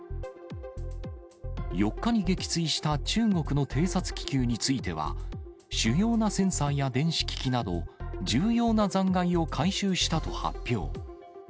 ４日に撃墜した中国の偵察気球については、主要なセンサーや電子機器など、重要な残骸を回収したと発表。